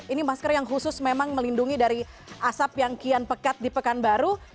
ini masker yang khusus memang melindungi dari asap yang kian pekat di pekanbaru